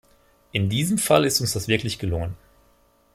In diesem Fall ist uns das wirklich gelungen.